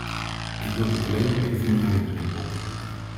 Ik wil dat alleen maar even in herinnering roepen.